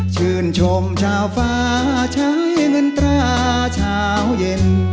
ชื่นชมชาวฟ้าใช้เงินตราเช้าเย็น